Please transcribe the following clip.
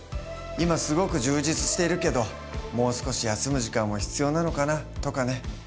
今すごく充実しているけどもう少し休む時間も必要なのかな？とかね。